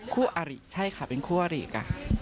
คู่อาริใช่ค่ะเป็นคู่อริค่ะ